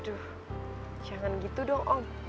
aduh jangan gitu dong om